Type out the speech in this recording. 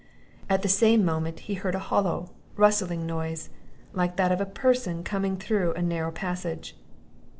At the same moment he heard a hollow rustling noise, like that of a person coming through a narrow passage.